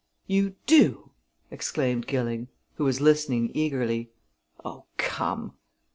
"You do!" exclaimed Gilling, who was listening eagerly. "Oh, come!"